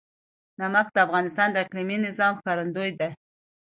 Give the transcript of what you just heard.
نمک د افغانستان د اقلیمي نظام ښکارندوی ده.